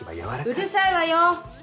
うるさいわよ。